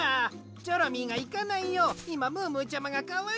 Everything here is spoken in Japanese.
チョロミーがいかないよういまムームーちゃまがかわりに。